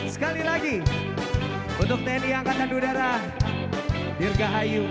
sekali lagi untuk tni angkatan udara dirgahayu tujuh puluh tiga